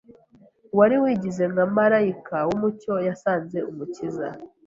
Uwari wigize nka marayika w’umucyo yasanze Umukiza,